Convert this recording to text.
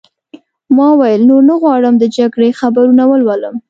ما وویل: نور نه غواړم د جګړې خبرونه ولولم.